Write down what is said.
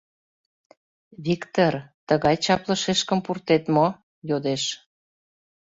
— Виктыр, тыгай чапле шешкым пуртет мо? — йодеш.